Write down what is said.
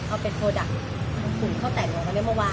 ขุมเข้าแต่งเหมือนกับเรื่องเมื่อวาน